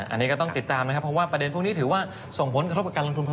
อันนี้ก็ต้องติดตามนะครับเพราะว่าประเด็นนี้ถือว่าส่งผลกับการรับคุณควรนะครับ